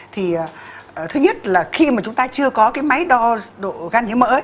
thứ nhất là khi mà chúng ta chưa có cái máy đo gan nhiễm mỡ